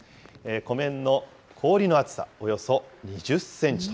湖面の氷の厚さ、およそ２０センチと。